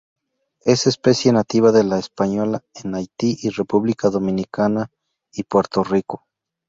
Es especie nativa de La Española en Haiti y República Dominicana y Puerto Rico.